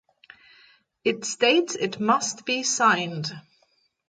It states it must be signed